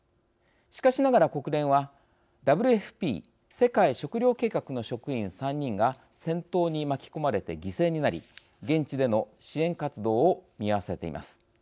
しかしながら、国連はＷＦＰ＝世界食糧計画の職員３人が戦闘に巻き込まれて犠牲になり現地での支援活動を見合わせています。